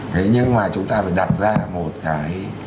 thế nhưng mà chúng ta phải đặt ra một cái